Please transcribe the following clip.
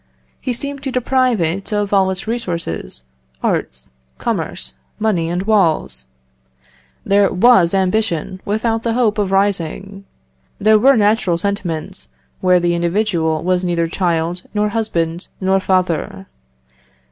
He seemed to deprive it of all its resources, arts, commerce, money, and walls; there Was ambition without the hope of rising; there were natural sentiments where the individual was neither child, nor husband, nor father.